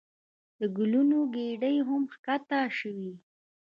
د ګلونو ګېډۍ هم ښکته شوې.